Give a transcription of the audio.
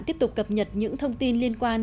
tiếp tục cập nhật những thông tin liên quan